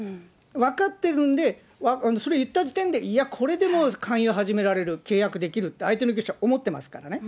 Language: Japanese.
分かってるんで、それ言った時点で、いや、これでもう勧誘始められる、契約できるって、相手の業者は思ってますからね。